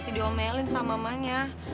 dia diomelin sama mamanya